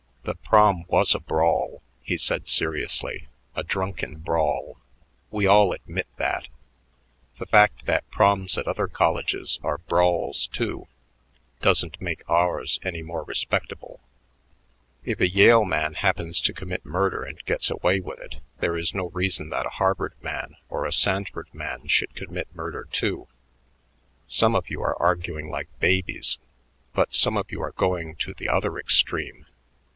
"The Prom was a brawl," he said seriously, "a drunken brawl. We all admit that. The fact that Proms at other colleges are brawls, too, doesn't make ours any more respectable. If a Yale man happens to commit murder and gets away with it, that is no reason that a Harvard man or a Sanford man should commit murder, too. Some of you are arguing like babies. But some of you are going to the other extreme.